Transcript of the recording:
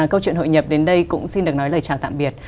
câu chuyện hội nhập đến đây cũng xin được nói lời chào tạm biệt